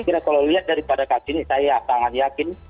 kalau dilihat dari pada kali ini saya sangat yakin